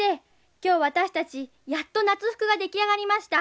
今日私たちやっと夏服が出来上がりました。